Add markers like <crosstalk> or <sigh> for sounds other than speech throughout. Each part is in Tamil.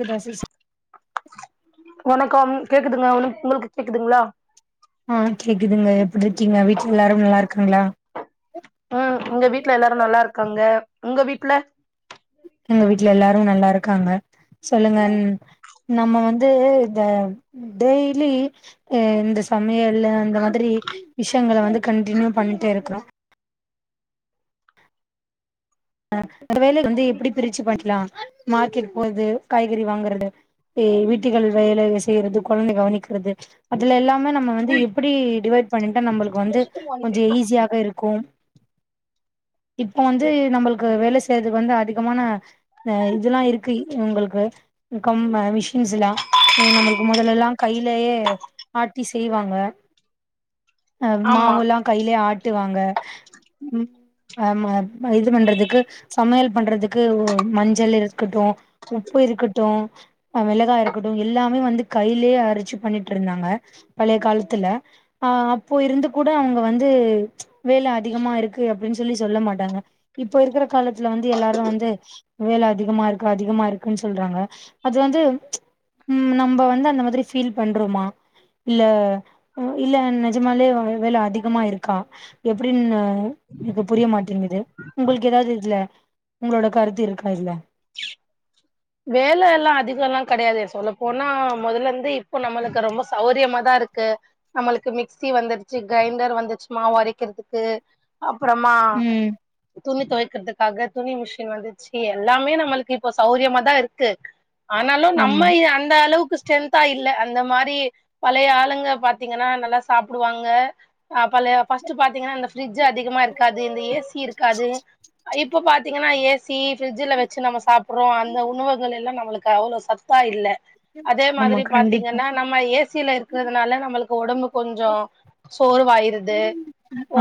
கேக்குதா சிஸ் வணக்கம் கேக்குதுங்க உனக் உங்களுக்கு கேக்குதுங்களா ஆ கேக்குதுங்க எப்டி இருக்கீங்க வீட்ல எல்லாரு நல்லா இருக்குங்களா அ எங்க வீட்ல எல்லாரு நல்லா இருக்காங்க உங்க வீட்ல எங்க வீட்ல எல்லாரு நல்லா இருக்காங்க சொல்லுங்க ம் நம்ம வந்து இந்த டெய்லி அ இந்த சமயமல்லு அந்த மாதிரி விஷயங்கல வந்து கன்டினியூ பண்ணிட்டே இருக்றோ அ ஒரு வேலய் வந்து எப்டி பிரிச்சு பண்ட்லா‌ மார்க்கெட் போர்து காய்கறி வாங்கறது எ வீட்டுகள் வேல செய்யறது கொழந்த கவனிக்கிறது அதுல எல்லாமே நம்ம வந்து எப்படி டிவைட் பண்ணிட்டா நம்மளுக்கு வந்து கொஞ்ச ஈஸியாக இருக்கு இப்போ வந்து நம்மளுக் கு வேல செய்றதுக்கு வந்து அதிகமான த இதெல்லா இருக்கு இ உங்களுக்கு கொம்ம விஷ் <unintelligible> சல்லா எ நம்மளுக்கு மொதல்லல்லா கைய்லயே ஆட்டி செய்வாங்க ஆ‌ ஆமா மாவுலா கைய்லே ஆட்டுவாங்க ம் ஆம இது பண்றதுக் கு சமையல் பண்றதுக்கு உ மஞ்சள் இருக்கட்டு உப்பு இருக்கட்டு அ வெளகா இருக்கட்டு எல்லாமே வந்து கையிலே அரச்சு பண்ணிட்ருந்தாங்க பழைய காலத்துல ஆ அப்போ இருந்து கூட அவுங்க வந்து வேல அதிகமா இருக்கு அப்டின்னு சொல்லி சொல்ல மாட்டாங்க இப்ப இருக்கிற காலத்துல வந்து எல்லாரு வந்து வேல அதிகமா இருக்கு அதிகமா இருக்குன்னு சொல்றாங்க அது வந்து ம் நம்ப வந்து அந்த மாதிரி ஃபீல் பண்றோமா இல்ல இல்ல நஜமாலே வ வேல அதிகமா இருக்கா எப்டின்னு எனக்கு புரிய மாட்டேங்குது உங்களுக்கு எதாது இதுல உங்களோட கருத்து இருக்கா இதுல வேல எல்லாம் அதிகோல்லா கடையாதே சொல்லப்போனா மொதல இருந்து இப்போ நம்மளுக்கு ரொம்ப சௌரியமாதா இருக்கு நம்மளுக்கு மிக்சி வந்துருச்சு கைண்டர் வந்துச்சு மாவு அரைக்கிறதுக்கு அப்பறமா ம் துணி தொய்க்கிறதுக் காக துணி மிஷின் வந்துச்சு எல்லாமே நம்மளுக்கு இப்ப சௌரியமாதா இருக்கு ஆனாலு ஆமா நம்ம இ அந்த அளவுக்கு ச ஸ்ட்ரென்தா இல்ல அந்த மாரி பழைய ஆளுங்க பாத்தீங்கன்னா நல்லா சாப்புடுவாங்க அ பழைய ஃபர்ஸ்ட்டு பாத்தீங்கனா இந்த ஃபிரிஜ்ஜு அதிகமா இருக்காது இந்த ஏசி இருக்காது இப்ப பாத்தீங்கனா ஏசி ஃபிரிட்ஜ்ல வச்சு நம்ம சாப்புடுறோ அந் த உணவுகள் எல்லா நம்மளுக்கு அவ்ளோ சத் தா இல்ல அதே ஆமா மாதிரி கண்டிப்பா பாத்தீங்கனா நம்ம ஏசியில இருக்கறதுனால நம்மளுக்கு ஒடம்பு கொஞ்சோ சோர்ருவாயிருது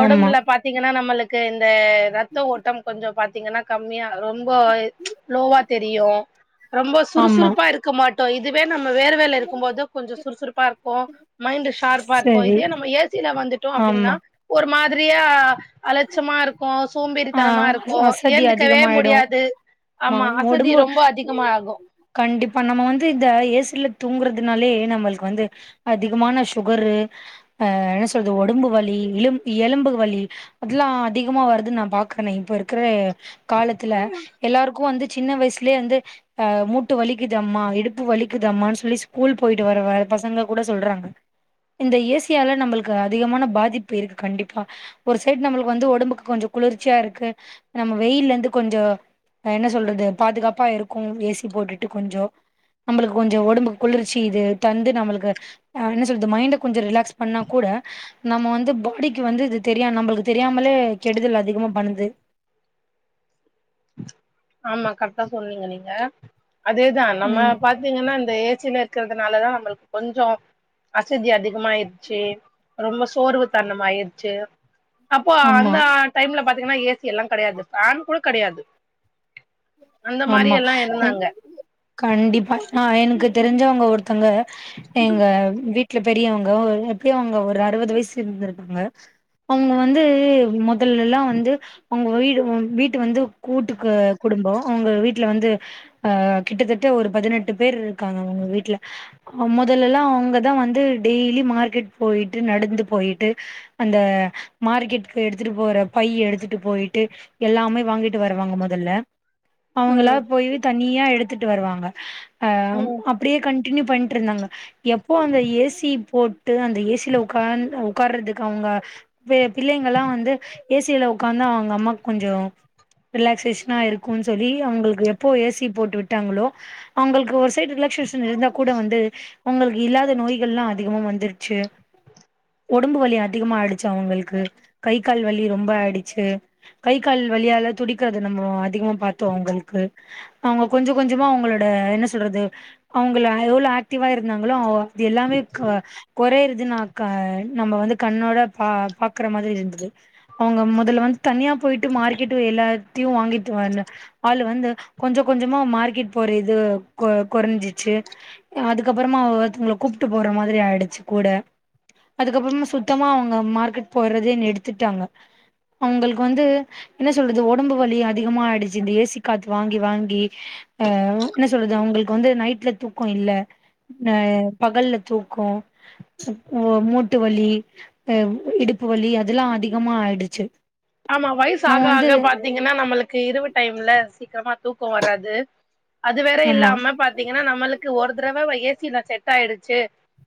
ஆமா பாத்தீங்கன்னா நம்மளுக்கு இந்த ரத்த ஓட்டம் கொஞ்சோ பாத்தீங்கன்னா கம்மியா ரொம்ப லோவா தெரியு ரொம்ப ஆமா சுறுசுறுப்பா இருக்க மாட் டோ இதுவே நம்ம வேறவேல இருக்கும் போதா கொஞ்சோ சுறுசுறுப்பா இருக்கு மைண்ட் ஷார்ப்பா இருக்கு சரி இதே நம்ம ஏசியில வந்துட்டோ அப்டின்னா ஆமா ஒரு மாரியா அலட்சமா இருக்கு சோம்பேறித் ஆ த்தனமா இருக்கு அசதி ஏந்துக்கவே அதிகமாயிடு முடியாது ஆமா அசதி ரொம்ப அதிகமா ஆகு கண்டிப்பா நம்ம வந்து இந்த ஏசில தூங்குறதுனாலே நம்மளுக்கு வந்து அதிகமான சுகரு அ என்ன சொல்றது உடம்பு வலி இல எலும்பு வலி அதெல்லா அதிகமா வருது நா பாக்குறனே இப்ப இருக்கிற காலத்துல எல்லாருக்கு வந்து சின்ன வயசுலயே வந்து அ மூட்டு வலிக்குதம்மா இடுப்பு வலிக்குதம்மான் சொல்லி ஸ்கூல் போயிட்டு வர பசங்க கூட சொல்றாங்க இந்த ஏசியால நம்மளுக்கு அதிகமான பாதிப்பு இருக்கு கண்டிப்பா ஒரு சைடு நம்மளுக்கு வந்து உடம்புக்கு கொஞ்சோ குளிர்ச்சியா இருக்கு நம்ம வெயில்ல இருந்து கொஞ்சோ என்ன சொல்றது பாதுகாப்பா இருக்கு ஏசி போட்டுட்டு கொஞ்சோ நம்மளுக்கு கொஞ்சோ உடம்புக் குளிர்ச்சி இது தந்து நம்மளுக்கு அ என்ன சொல்றது மைண்ட கொஞ்சோ ரிலாக்ஸ் பண்ணா கூட நம்ம வந்து பாடிக்கு வந்து இது தெரியா நம்மளுக்கு தெரியாமலே கெடுதல் அதிகமா பண்ணுது ஆமா கரெக்டா சொன்னீங்க நீங்க அதேதா நம்ம ம் பா த்தீங்கன்னா இந்த ஏசில இருக்கிறதுனாலதா நம்மளுக்கு கொஞ்சோ அசதி அதிகமாயிடுச்சு ரொம்ப சோர்வு தனம் ஆயிருச்சு அப்போ ஆமா அந்த டைம்ல பாத்தீங்கன்னா ஏசி எல்லா கெடையாது ஃபேன் கூட கெடையாது அந்த மாரி ஆமா எல்லா இருந்தாங்க கண்டிப்பா நா எனக்கு தெரிஞ்சவங்க ஒருத்தங்க எங்க விட் ல பெரியவங்க ஒரு எப்டியு அவுங்க ஒரு அறுவது வயசு இருந்திருக்குங்க அவுங்க வந்து மொதல்லல்லா வந்து அவுங்க வீடு வீட்டு வந்து கூட்டுக்கு குடும்ப அவங்க வீட்ல வந்து அ கிட்டத்தட்ட ஒரு பதினெட்டு பேர் இருக்காங்க அவங்க வீட்ல மொதல்லல்லா அவங்கதா வந்து டெய்லி மார்க்கெட் போய்ட்டு நடந்து போய்ட்டு அந்த மார்க்கெட்டுக்கு எடுத்துட்டு போற பைய எடுத்துட்டு போய்ட்டு எல்லாமே வாங்கிட்டு வருவாங்க மொதல்ல அவங்களா ம் போய் தனியா எடுத்துட் வருவாங்க அ ம் அப்டியே கண்டின்யூ பண்ணிட்டு இருந்தாங்க எப்போ அந்த ஏசி போட்டு அந்த ஏசில உக்காந் உக்கார்றதுக்கு அவங்க பிள்ளைங்கள்ளா வந்து ஏசில உக்காந்தா அவங்க அம்மாக் கொஞ்சோ ரிலாக்சேஷனா இருக் குன் சொல்லி அவங்களுக்கு எப்போ ஏசி போட்டு விட்டாங்களோ அவங்களுக்கு ஒரு சைடு ரிலாக்க்ஷே இருந்தா கூட வந்து உங்களுக்கு இல்லாத நோய்கள்லா அதிகமா வந்துருச்சு உடம்பு வலி அதிகமா ஆய்டுச்சு அவங்களுக்கு கை கால் வலி ரொம்ப ஆய்டுச்சு கை கால் வலியால துடிக்கறத நம்ம அதிகமா பாத்தோ அவங்களுக்கு அவங்க கொஞ்சோ கொஞ்சமா அவுங்களோட என்ன சொல்றது அவுங்கள எவ்ளோ ஆக்டிவா இருந்தாங்களோ அ இது எல்லாமே க கொறையறது நா க நம்ம வந்து கண்ணோட பா பாக்குற மாரி இருந்துது அவங்க மொதல்ல வந்து தனியா போய்ட்டு மார்க்கெட் எல்லாத்தையு வாங்கிட்டு வர்ல ஆளு வந்து கொஞ்சோ கொஞ்சமா மார்க்கெட் போற இது கொ கொறஞ்சிச்சு அதுக்கப்பறமா ஒருத்தவங்கள கூப்ட்டு போற மாதிரி ஆய்டுச்சு கூட அதுக்கப்பறமா சுத்தமா அவுங்க மார்க்கெட் போறதே நிறுத்திட்டாங்க அவுங்களுக்கு வந்து என்ன சொல்றது உடம்பு வலி அதிகமா ஆய்டுச் இந்த ஏசி காத்து வாங்கி வாங்கி அ என்ன சொல்றது அவுங்களுக்கு வந்து நைட்ல தூக்க இல்ல நா பகல்ல தூக்க ஓ மூட்டு வலி அ இடுப்பு வலி அதெல்லா அதிகமா ஆய்டுச்சு ஆமா வயசு ஆக ஆக பாத்தீங்கன்னா நம்மளுக்கு இரவு டைம்ல சீக்கிரமா தூக்கோ வராது அது வேற ஆமா இல்லாம பாத்தீங்கன்னா நம்மளுக்கு ஒரு தறவ ஏசில செட் ஆயிடுச்சு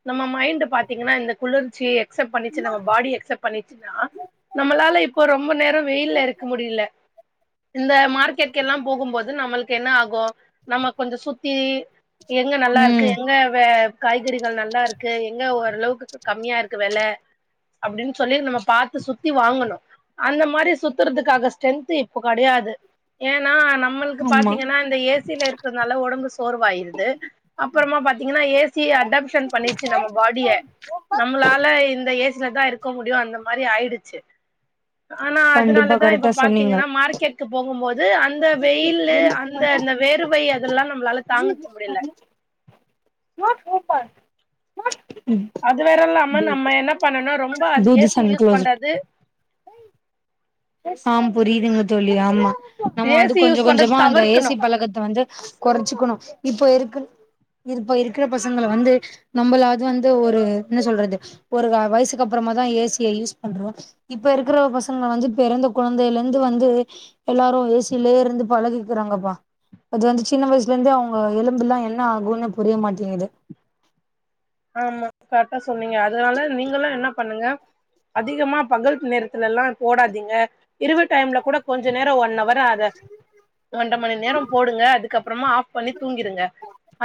நம்ம மைண்ட் பாத்தீங்கன்னா இந்த குளிர்ச்சிய எக்செப்ட் பண்ணிச்சு நம்ம பாடிய எக்செப்ட் பண்ணிச்சுன்னா நம்மளால இப்போ ரொம்ப நேரோ வெயில்ல இருக்க முடில இந்த மார்க்கெட்கெல்லா போகும்போது நம்மளுக்கு என்ன ஆகு நம்ம கொஞ்ச சுத்தி எங்க நல்லா இருக்கு ம் எங்க வே காய்கறிகள் நல்லா இருக்கு எங்க ஓரளவுக்கு கம்மியா இருக்கு வெல அப்டின்னு சொல்லி நம்ம பாத்து சுத்தி வாங்கணு அந்த மாரி சுத்துறதுக்காக ஸ்ட்ரென்த்து இப்ப கெடையாது ஏன்னா நம்மளுக்கு ஆமா பாத்தீங்கன்னா இந்த ஏசில இருக்குறதுனால ஒடம்பு சோர்வாயிருது அப்பறமா பாத்தீங்கன்னா ஏசியே அடாப்ஷன் பண்ணிச்சு நம்ம பாடிய நம்மளால இந்த ஏசிலதா இருக்க முடியு அந்த மாரி ஆயிடுச்சு ஆனா கண்டிப்பா அதுனாலதா கரெக்டா இப்ப சொன்னீங்க பாத்தீங்கன்னா மார்க்கெட்கு போகும் போது அந்த வெயிலு அந் இந்த இந்த வேறுவை அதெல்லா நம்மளால தாங்கிக்க முடியல நோ பூ பால் அது வேற இல்லாம நம்ம என்ன பண்ணனு ரொம்ப தூதிஸ் ஏசிய அண்ட் யூஸ் க்ளோஸ் இட். பண்றது ஆ புரியிதுங்க தோழி ஆமா நம்ம வந்து ஏசி கொஞ்ச யூஸ் பண்றது கொஞ்சமா அந்த ஏசி தவிர்க்கணு பழக்கத்த வந்து குறைச்சுக்கணு இப்ப இருக்கு இப்ப இருக்குற பசங்கள வந்து நம்பளாது வந்து ஒரு என்ன சொல்றது ஒரு வயசுக்கு அப்பறமாதா ஏசிய யூஸ் பண்றோ இப்ப இருக்கிற பசங்க வந்து பெறந்த கொழந்தையில இருந்து வந்து எல்லாரு ஏசியிலயே இருந்து பழகிக்கிறாங்கப்பா அது வந்து சின்ன வயசுல இருந்து அவங்க எலும்புல்லா என்ன ஆகுன்னு புரிய மாட்டேங்கிது ஆமா கரெட்டா சொன்னீங்க அதனால நீங்களு என்ன பண்ணுங்க அதிகமா பகல் நேரத்துலல்லா போடாதீங்க இரவு டைம்ல கூட கொஞ்ச நேரோ ஒன்னவர் அத ஒன்ற மணி நேரோ போடுங்க அதுக்கப்பறமா ஆஃப் பண்ணி தூங்கிடுங்க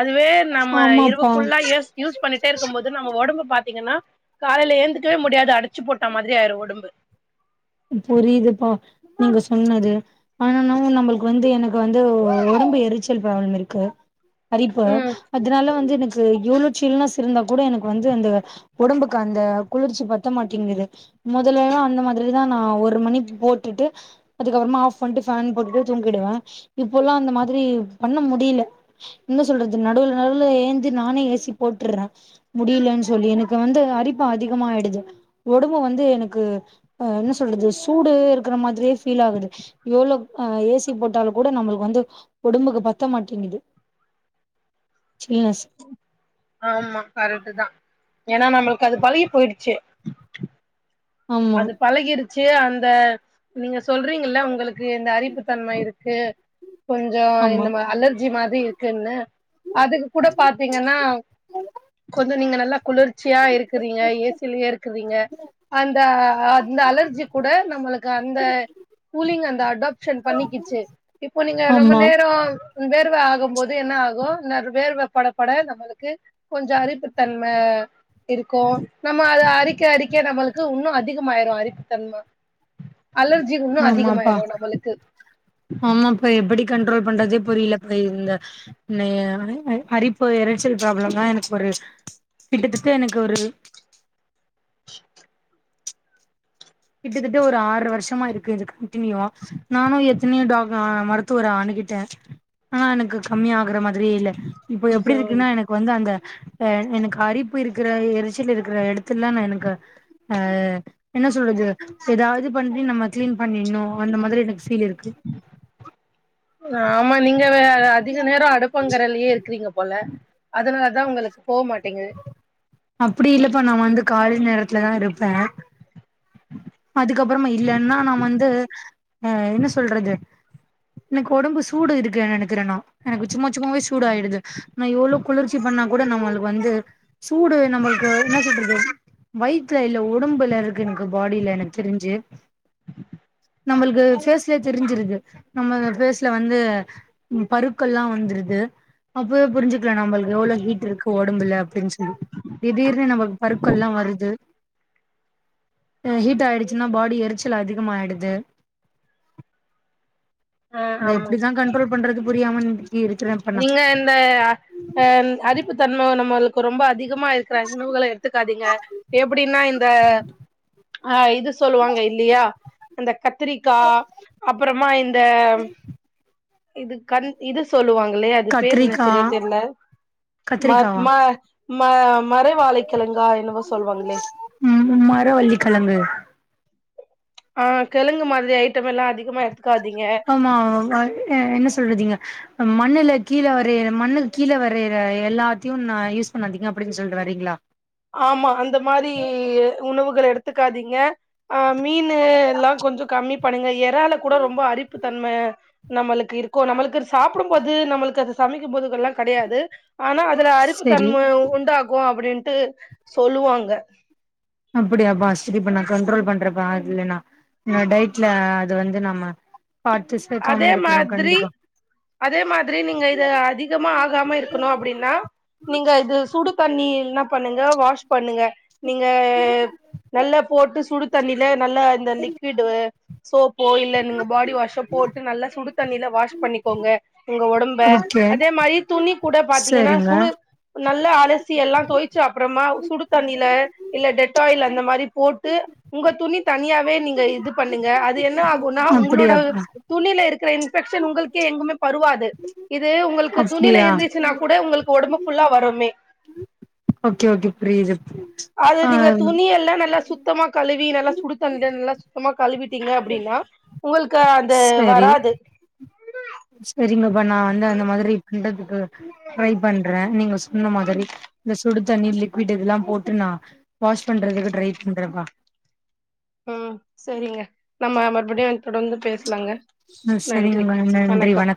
அதுவே நம்ம இரவு ஆமாப்பா ஃபுல்லா ஏ சி யூஸ் பண்ணிட்டே இருக்கும் போது நம்ம ஒடம்பு பாத்தீங்கன்னா காலேல எழுந்துக்கவே முடியாது அடிச்சு போட்ட மாதிரி ஆயிரு ஒடம்பு புரியிதுப்பா நீங்க சொன்னது ஆனா என்னவோ நம்மளுக்கு வந்து எனக்கு வந்து ஒடம்பு எரிச்சல் ப்ராப்ளம் இருக்கு அரிப்பு ம் அதனால வந்து எனக்கு எவ்ளோ சில்னஸ் இருந்தா கூட எனக்கு வந்து அந்த ஒடம்புக்கு அந்த குளிர்ச்சி பத்த மாட்டேங்குது மொதலல்லா அந்த மாதிரிதா நா ஒரு மணி போட்டுட்டு அதுக்கப்பறமா ஆஃப் பண்ணிட்டு ஃபேன் போட்டுட்டு தூங்கிடுவே இப்பல்லா அந்த மாதிரி பண்ண முடியல என்ன சொல்றது நடுவுல நடுவுல எழுந்து நானே ஏ சி போட்டுற்றே முடியலன்னு சொல்லி எனக்கு வந்து அரிப்பு அதிகமாயிடுது ஒடம்பு வந்து எனக்கு ஆ என்ன சொல்றது சூடு இருக்குற மாதிரியே ஃபீல் ஆகுது எவ்ளோ ஆ ஏ சி போட்டாலு கூட நம்மளுக்கு வந்து ஒடம்புக்கு பத்த மாட்டேங்குது சில்னஸ் ஆமா கரெட்டுதா ஏன்னா நம்மளுக்கு அது பழகி போயிடுச்சு ஆமா அது பழகிருச்சி அந்த நீங்க சொல்றீங்கல்ல உங்களுக்கு இந்த அரிப்புத்தன்மை இருக்கு கொஞ்சோ ஆமா இந்த அலர்ஜி மாதிரி இருக்குன்னு அதுக்கு கூட பாத்தீங்கன்னா கொஞ் சோ வந்து நீங்க நல்லா குளிர்ச்சியா இருக்குறீங்க ஏ சிலயே இருக்குதீங்க இந்த அந்த அலர்ஜி கூட நம்மளுக்கு அந்த கூலிங் அந்த அடாப்ஷன் பண்ணிக்கிச்சு இப்போ நீங்க ரொம்ப ஆமா நேரோ உன் வேர்வ ஆகும்போது என்ன ஆகு இன்னொரு வேர்வ படப்பட நம்மளுக்கு கொஞ்சோ அரிப்புத்தன்ம இருக்கு நம்ம அத அரிக்க அரிக்க நம்மள் க்கு இன்னு அதிகமாயிரு அரிப்புத்தன்ம அலர்ஜி இன்னு ஆமாப்பா அதிகமாயிரு நம்மளுக்கு ஆமாப்பா எப்டி கண்ட்ரோல் பண்றதே புரிலப்ப இந்த இன்னய அ அரிப்பு எறச்சல் ப்ரோப்ளமெல்லா எனக்கு ஒரு கிட்டத்தட்ட எனக்கு ஒரு கிட்டத்தட்ட ஒரு ஆர்ற வருஷமா இருக்கு இது கண்டினியூவா நானு எத்தனயோ டா மரு ருத்துவர அனுகிட்ட ஆனா எனக்கு கம்மியா ஆகுற மாதிரியே இல்ல இப்ப எப்டி இதோ இருக்குனா எனக்கு வந்து அந்த அ எனக்கு அரிப்பு இருக்கிற எரிச்சல் இருக்கிற எடத்துல்ல நா எனக்கு அ எப்டி சொல்றது எதாவது பண்ணி நம்ம கிளீன் பண்ணிடணு அந்த மாரி எனக்கு ஃபீல் இருக்கு ஆமா நீங்க வே அதிக நேரோ அடுப்பங்கரயலயே இருக்கிறீங்க போல அதுனாலதா உங்களுக்கு போ மாட்டீங்குது அப்டி இல்லப்பா நா வந்து காலைல நேரத்துலதா இருப்ப அதுக்கப்பறமா இல்லனா நா வந்து அ என்ன சொல்றது எனக்கு ஒடம்பு சூடு இருக்குன்னு நெனக்கிற நா எனக்கு சும்மா சும்மாவே சூடு ஆயிடுது நா எவ்ளோ குளிர்ச்சி பண்ணா கூட நம்மளுக்கு வந்து சூடு நம்மள் க்கு என்ன சொல்றது வயித்துல இல்ல ஒடம்புல இருக்கு எனக்கு பாடில என க்கு தெரிஞ்சு நம்மள்க்கு ஃபேஸ்லயே தெரிஞ்சிருது நம்ம ஃபேஸ்ல வந்து பருக்கள்ல்லா வந்துருது அப்பயே புரிஞ்சு க்கலா நம்மள்க்கு எவ்ளோ ஹீட் இருக்கு ஒடம்புல அப்டின் சொல்லி திடீர்னு நம்மள்க்கு பருக்கள்ல்லா வருது ஹீட் ஆயிடுச்சுன்னா பாடி எரிச்சல் அதிகமாயிடுது ஆ அத ஆமா எப்டிதா கண்ட்ரோல் பண்றது புரியாம <unintelligible> இருக்கிறே இப்ப நா நீங்க இந்த அ அரிப்புத் தன்ம நம்மள் ரொம்ப அதிகமா இருக்கறாங்க உணவுகள எடுத்துக்காதீங்க எப்டினா இந்த அ இது சொல்லுவாங்கில்லயா இந்த கத்திரிக்கா அப்பறமா இந்த இது கண் இது சொல்லுவாங்கில்லயா அது பேரு என்ன கத்திரிக்கா செரியா தெர்ல ம கத்திரிக்காவா ம ம மறை வாழைக்கிழங்கா என்னவோ சொல்வாங்ளே ம் மரவள்ளிக்கிழங்கு ஆ கிழங்கு மாதிரி ஐட்டமெல்லா அதிகமா எடுத்துக்காதீங்க ம் ஆ என்ன சொல்றதீங்க மண்ணுல கீழ வரையற மண்ணுக்கு கீழ வரையற எல்லாத்தையு நா யூஸ் பண்ணாதீங்க அப்டின்னு சொல்ட்டு வரீங்ளா ஆமா அந்த மாரி உணவுகள எடுத்துக்காதீங்க ஆ மீன் எல்லா கொஞ்சோ கம்மி பண்ணுங்க எறால கூட ரொம்ப அரிப்புத் தன்ம நம்மளுக்கு இருக்கு நம்மளுக்கு அத சாப்பிடும்போது நம்மளுக்கு அத சமைக்கும்போதெல்லா கெடயாது ஆனா அதுல செரி அரிப்புத்தன்ம உண்டாகு அப்டின்ட்டு சொல்லுவாங்க அப்டியாப்பா சரிப்பா நா கண்ட்ரோல் பண்றப்பா அதுலனா நான் டயட்ல அது வந்து நம்ம பாத்து சேக்காம அதே இருக்குறோ மாதிரி கண்டிப்பா அதே மாதிரி நீங்க இது அதிகமா ஆகாம இருக்கணு அப்டினா நீங்க இது சுடு தண்ணி என்ன பண்ணுங்க வாஷ் பண்ணுங்க நீங்க நல்லா போட்டு சுடு தண்ணில நல்லா இந்த லிக்விடு சோப்போ இல்ல நீங்க பாடி வாஷோ போட்டு நல்லா சுடு தண்ணில வாஷ் பண்ணிக்கோங்க ஒங்க ஒடம்ப ஓகே அதே மாரி துணி கூட பாத்தீங்கன்னா சரிங்க சுடு நல்லா அலசி எல்லா துவய்ச்சு அப்றமா சுடு தண்ணில இல்ல டெட்டாயில் அந்த மாரி போட்டு உங்க துணி தனியாவே நீங்க இது பண்ணுங்க அது என்ன ஆ குனா உங்களோட அப்டியாப்பா துணில இருக்குற இன்பெக்க்ஷன் உங்களுக்கே எங்குமே பருவாது இது உங்களுக்கு துணியில அப்டியா இருந்துச்சுன்னா கூட உங்களுக்கு ஒடம்பு ஃபுல்லா வரும்மே ஓகே ஓகே புரியுது அது ஆ நீங்க துணி எல்லா நல்லா சுத் த்தமா கழுவி நல்லா சுடுத்தண்ணில நல்லா சுத்தமா கழுவிட்டீங்க அப்டின்னா உங்களுக்க செரி செரிங்கப்பா நா வந்து அந்த மாதிரி பண்றதுக்கு ட்ரை பண்றே நீங்க சொன்ன மாதிரி இந்த சுடு தண்ணி லிக்விட் இதெல்லா போட்டு நா வாஷ் பண்றதுகு ட்ரை பண்றபா ம் சரிங்க நம்ம மறுபடியு தொடர்ந்து பேசலாங்க ம் நன்றி சரிங்க நன்றி வணக்கம்